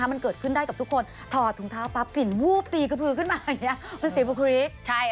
มันเกิดขึ้นได้กับทุกคนถอดทุ่งเท้าปรับกลิ่นวรูบตีกระผือขึ้นมา